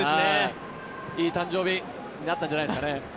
いい誕生日になったんじゃないですかね。